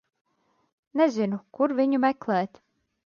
Nezinu, kur viņu meklēt.